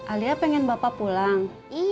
alia pengen bapak pulang